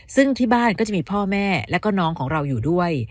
ซึ่งที่บ้านก็จะมีพ่อแม่แล้วก็น้องของเราอยู่ด้วย